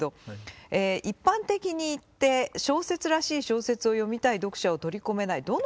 「一般的にいって、小説らしい小説を読みたい読者を取り込めない。